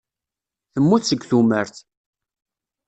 Temmut seg tumert.